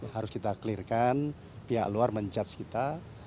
harus kita clear kan pihak luar menjudge kita